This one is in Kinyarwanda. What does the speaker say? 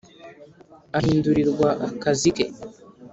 Ahindurirwa akazi ke